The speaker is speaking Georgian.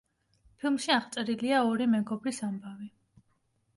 ფილმში აღწერილია ორი მეგობრის ამბავი.